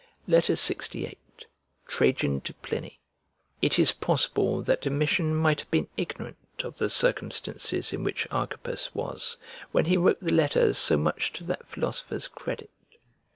LX VIII TRAJAN TO PLINY IT is possible that Domitian might have been ignorant of the circumstances in which Archippus was when he wrote the letter so much to that philosopher's credit.